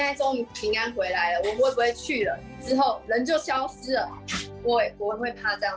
เธอยังคงยืนนันว่าเธอถูกรีดไถจริงถูกยัดบุหรี่ไฟฟ้าจริง